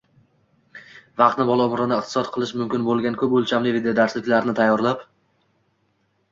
vaqtni – bola umrini iqtisod qilishi mumkin bo‘lgan ko‘p o‘lchamli videodarsliklarni tayyorlab